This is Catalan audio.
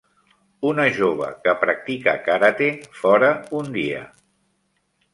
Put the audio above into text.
Una jove que practica karate fora un dia.